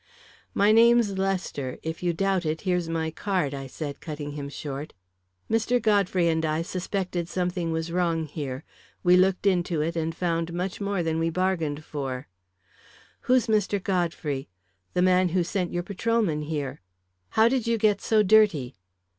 "My name's Lester; if you doubt it, here's my card," I said, cutting him short. "Mr. Godfrey and I suspected something was wrong here. We looked into it and found much more than we bargained for." "Who's Mr. Godfrey?" "The man who sent your patrolman here." "How did you get so dirty?"